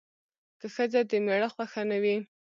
که ښځه د میړه خوښه نه وي